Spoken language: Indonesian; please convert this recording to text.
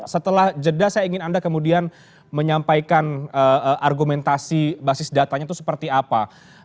setelah jeda saya ingin anda kemudian menyampaikan argumentasi basis datanya itu seperti apa